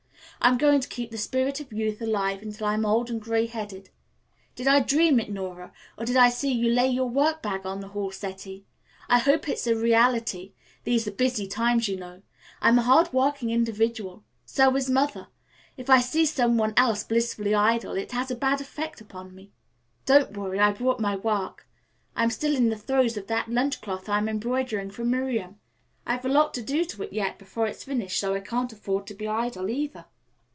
I'm going to keep the spirit of youth alive until I'm old and gray headed. Did I dream it, Nora, or did I see you lay your work bag on the hall settee? I hope it's a reality. These are busy times, you know. I'm a hard working individual. So is Mother. If I see someone else blissfully idle it has a bad effect upon me." "Don't worry, I brought my work. I am still in the throes of that lunch cloth I'm embroidering for Miriam. I've a lot to do to it yet before it's finished, so I can't afford to be idle, either."